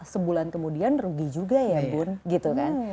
sebulan kemudian rugi juga ya bun gitu kan